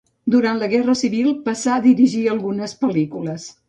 Durant la Guerra Civil passà a dirigir algunes pel·lícules.